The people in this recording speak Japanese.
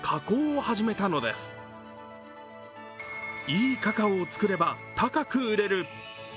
いいカカオを作れば高く売れる。